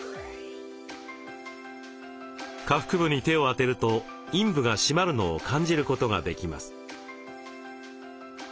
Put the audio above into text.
下腹部に手を当てると陰部が締まるのを感じることができます。